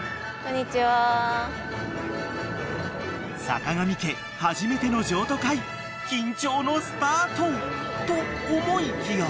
［坂上家初めての譲渡会緊張のスタートと思いきや］